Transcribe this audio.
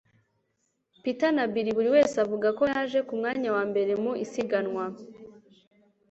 Peter na Bill buri wese avuga ko yaje ku mwanya wa mbere mu isiganwa